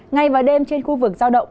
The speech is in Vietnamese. ngày và đêm trên khu vực sao động